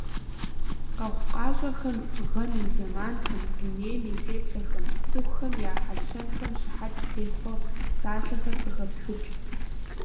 Къэхъукъащӏэхэм, гъэм и зэманхэм, дунейм и теплъэхэм, цӏыхухэм я хьэлщэнхэм щыхьэт техъуэ псалъэхэр къыхэфтхыкӏ.